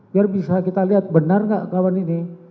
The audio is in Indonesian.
biar bisa kita lihat benar nggak kawan ini